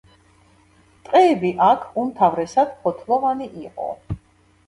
ტყეები აქ უმთავრესად ფოთლოვანი იყო.